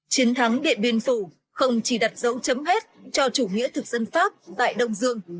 chiến thắng điện biên phủ không chỉ đặt dấu chấm hết cho chủ nghĩa thực dân pháp tại đông dương